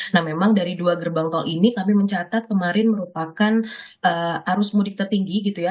nah memang dari dua gerbang tol ini kami mencatat kemarin merupakan arus mudik tertinggi gitu ya